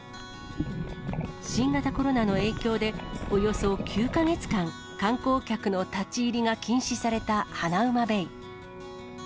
新型コロナの影響で、およそ９か月間、観光客の立ち入りが禁止されたハナウマベイ。